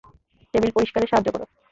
Table পরিষ্কারে সাহায্য করো।